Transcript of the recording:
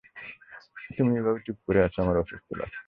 তুমি এভাবে চুপ করে আছ, আমার অস্বস্তি লাগছে।